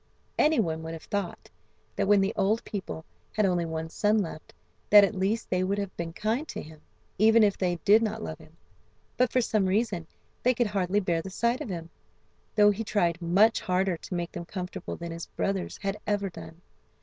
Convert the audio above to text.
Anyone would have thought that when the old people had only one son left that at least they would have been kind to him, even if they did not love him. But for some reason they could hardly bear the sight of him, though he tried much harder to make them comfortable than his brothers had ever done.